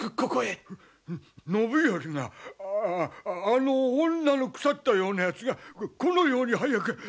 ああの女の腐ったようなやつがこのように早く！